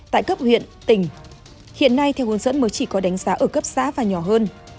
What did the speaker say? tại cấp huyện tỉnh hiện nay theo hướng dẫn mới chỉ có đánh giá ở cấp xã và nhỏ hơn